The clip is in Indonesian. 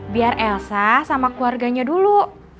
biar elsa sama keluarganya dulu